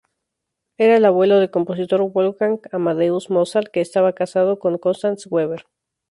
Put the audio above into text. Era el abuelo del compositor Wolfgang Amadeus Mozart, que estaba casado con Constanze Weber.